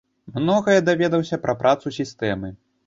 Многае даведаўся пра працу сістэмы.